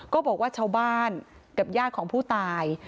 บอกว่าชาวบ้านกับญาติของผู้ตาย